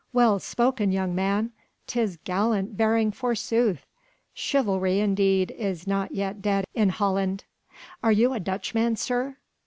"Well spoken, young man!" "'Tis gallant bearing forsooth!" "Chivalry, indeed, is not yet dead in Holland." "Are you a Dutchman, sir?"